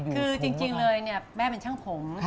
คือจริงเลยเนี่ยแม่เป็นช่างผม